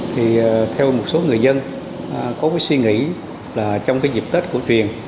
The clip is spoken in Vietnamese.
thì theo một số người dân có suy nghĩ là trong dịp tết của truyền